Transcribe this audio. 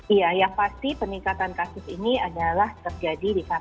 iya yang pasti peningkatan kasus ini adalah terjadi di kpk